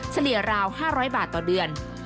เฉลี่ราว๕๐๐บาทต่อเดือน